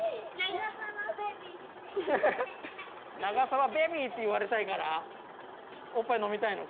ながさわベビーって言われたいからおっぱい飲みたいのか。